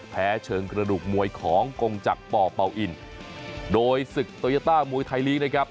แพ้เชิงกระดูกมวยของกงจักรปเป่าอินโดยศึกโตโยต้ามวยไทยลีกนะครับ